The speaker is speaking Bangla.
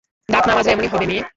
দাঁত না মাজলে এমনই হবে, মেয়ে।